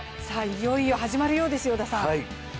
いよいよ始まるようですよ、織田さん。